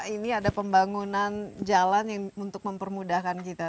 ini ada pembangunan jalan yang untuk mempermudahkan kita